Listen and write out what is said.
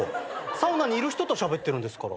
サウナにいる人としゃべってるんですから。